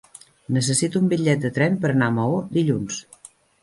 Necessito un bitllet de tren per anar a Maó dilluns.